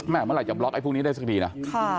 เมื่อไหร่จะบล็อกไอพวกนี้ได้สักทีนะ